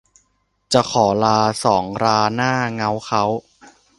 จะขอลาสองราหน้าเง้าเค้า